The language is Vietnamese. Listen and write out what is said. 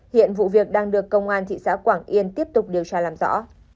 hiện vụ việc đang được công an thị xã quảng yên tiếp tục điều tra làm rõ